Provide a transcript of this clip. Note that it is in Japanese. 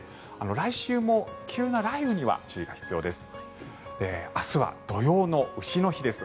来週も急な雷雨には注意が必要です。